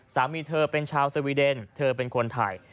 สามีเธอเป็นชาวสวีเดนเธอเป็นคนไทย